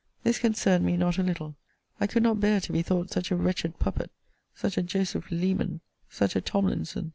This concerned me not a little; I could not bear to be thought such a wretched puppet, such a Joseph Leman, such a Tomlinson.